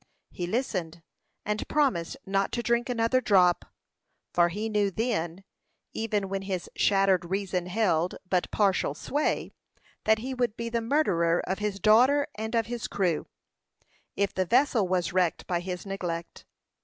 He listened, and promised not to drink another drop; for he knew then, even when his shattered reason held but partial sway, that he would be the murderer of his daughter and of his crew, if the vessel was wrecked by his neglect.